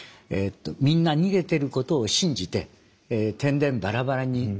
みんな逃げてることを信じててんでんばらばらに逃げる。